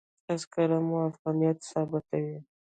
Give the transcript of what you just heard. تذکره مو افغانیت ثابتوي.